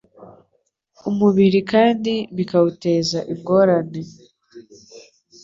umubiri kandi bikawuteza ingorane.